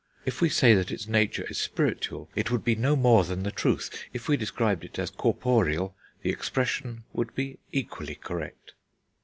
If we say that its nature is spiritual, it would be no more than the truth; if we described it as corporeal, the expression would be equally correct."